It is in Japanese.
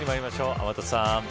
天達さん。